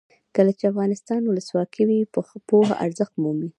کله چې افغانستان کې ولسواکي وي پوهه ارزښت مومي.